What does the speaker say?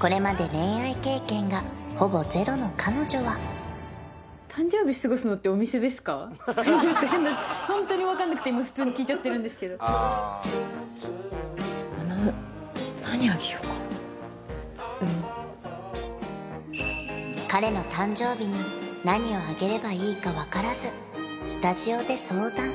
これまでの彼女はホントに分かんなくて今普通に聞いちゃってるんですけど彼の誕生日に何をあげればいいか分からずスタジオで相談